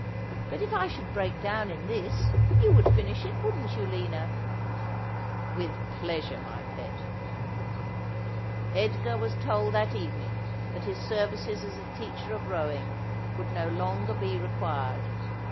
But if I should break down in this, you would finish it, wouldn't you, Lina ?'' With pleasure, my pet.' Edgar was told that evening that his services as a teacher of rowing would no longer be required.